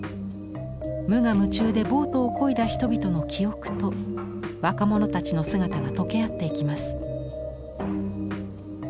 無我夢中でボートをこいだ人々の記憶と若者たちの姿が溶け合っていきます。